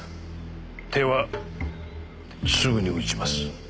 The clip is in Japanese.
手はすぐに打ちます。